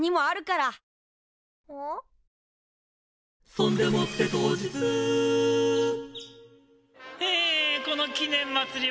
「そんでもって当日」えこの記念まつりはね